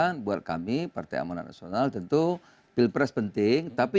nama partai atau bagaimana pak